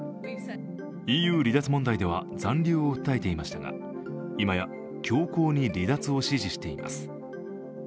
ＥＵ離脱問題では残留を訴えていましたが今は強硬に離脱を支持しています。